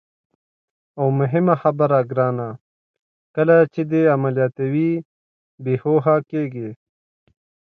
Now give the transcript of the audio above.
او مهمه خبره ګرانه، کله چې دې عملیاتوي، بېهوښه کېږي.